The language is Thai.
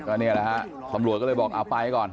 ก็นี่แหละฮะตำรวจก็เลยบอกเอาไปก่อน